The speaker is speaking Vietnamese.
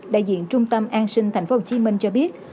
đại diện trung tâm an sinh tp hcm cho biết